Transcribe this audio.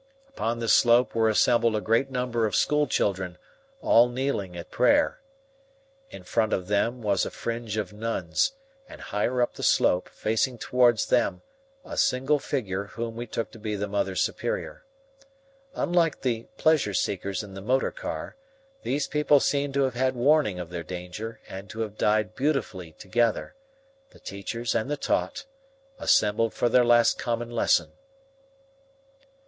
Upon this slope were assembled a great number of school children, all kneeling at prayer. In front of them was a fringe of nuns, and higher up the slope, facing towards them, a single figure whom we took to be the Mother Superior. Unlike the pleasure seekers in the motor car, these people seemed to have had warning of their danger and to have died beautifully together, the teachers and the taught, assembled for their last common lesson.